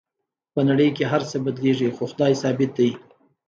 په نړۍ کې هر څه بدلیږي خو خدای ثابت دی